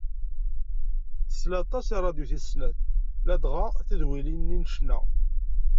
Tsell aṭas i radyu tis snat, ladɣa tidwilin-nni n ccna.